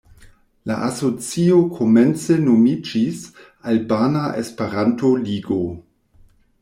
La asocio komence nomiĝis Albana Esperanto-Ligo.